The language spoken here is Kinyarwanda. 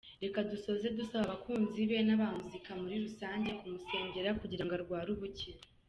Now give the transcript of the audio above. Reka dusoze dusaba abakunzi be n’abamuzika muri rusange kumusengera kugirango arware ubukira.